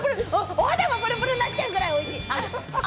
お肌もプルプルになっちゃうくらいおいしい！